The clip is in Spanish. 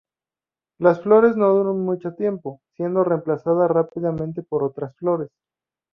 Las flores no duran mucho tiempo, siendo reemplazadas rápidamente por otras flores.